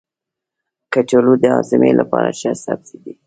کچالو د هاضمې لپاره ښه سبزی دی.